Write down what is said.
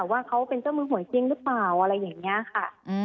ว่าเขาเป็นเจ้ามือหวยจริงหรือเปล่าอะไรอย่างนี้ค่ะ